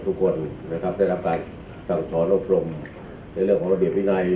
ทุกคนนะครับได้รับการสั่งสอนอบรมในเรื่องของระเบียบวินัย